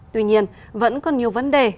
tuy nhiên vẫn còn nhiều vấn đề